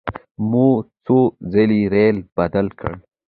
مو څو ځلې ریل بدل کړ.